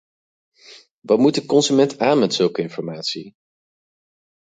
Wat moet de consument aan met zulke informatie?